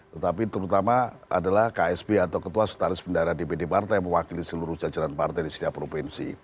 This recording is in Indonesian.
tetapi terutama adalah ksp atau ketua setaris bendara dpd partai mewakili seluruh jajaran partai di setiap provinsi